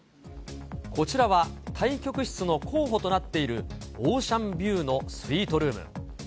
こちらは対局室の候補となっているオーシャンビューのスイートルーム。